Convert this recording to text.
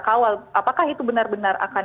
kawal apakah itu benar benar akan